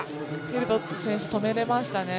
ヘルボッツ選手、止めれましたね。